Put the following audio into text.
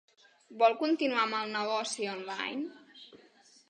Vol continuar amb el negoci online?